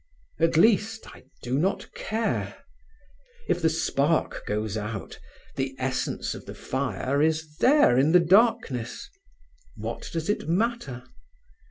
At least, I do not care. If the spark goes out, the essence of the fire is there in the darkness. What does it matter?